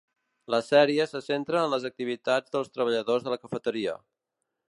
La sèrie se centra en les activitats dels treballadors de la cafeteria.